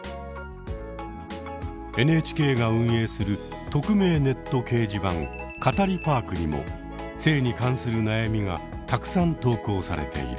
ＮＨＫが運営する匿名ネット掲示板「かたりパーク」にも性に関する悩みがたくさん投稿されている。